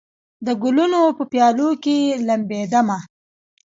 د ګلونو په پیالو کې لمبېدمه